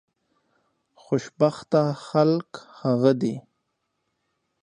خوشبخته خلک هغه دي